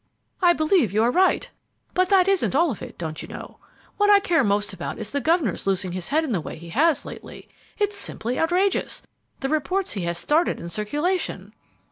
"I believe you are right; but that isn't all of it, don't you know. What I care most about is the governor's losing his head in the way he has lately. It is simply outrageous, the reports he has started in circulation!"